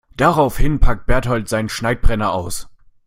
Daraufhin packt Bertold seinen Schneidbrenner aus.